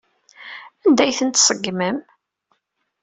Anda ay tent-tṣeggmem?